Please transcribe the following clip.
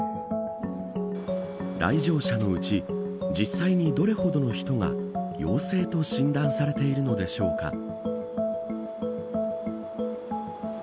来場者のうち実際にどれほどの人が陽性と診断されているのでしょうか。